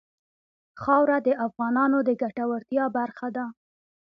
خاوره د افغانانو د ګټورتیا برخه ده.